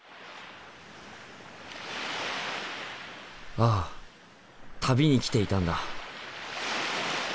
ああ旅に来ていたんだ。